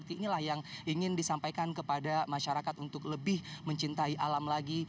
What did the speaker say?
inilah yang ingin disampaikan kepada masyarakat untuk lebih mencintai alam lagi